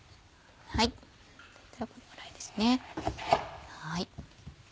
このぐらいですね。